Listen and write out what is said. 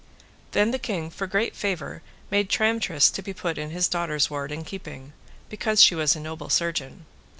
Then the king for great favour made Tramtrist to be put in his daughter's ward and keeping, because she was a noble surgeon.